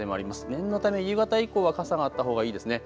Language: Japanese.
念のため夕方以降は傘があったほうがいいですね。